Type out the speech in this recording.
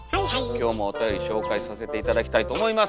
今日もおたより紹介させて頂きたいと思います。